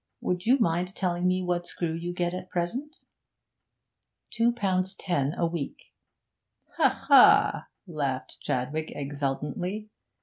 Would you mind telling me what screw you get at present?' 'Two pounds ten a week.' 'Ha, ha!' laughed Chadwick exultantly.